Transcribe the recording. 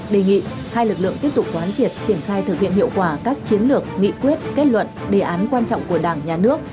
đề nghị hai lực lượng tiếp tục quán triệt triển khai thực hiện hiệu quả các chiến lược nghị quyết kết luận đề án quan trọng của đảng nhà nước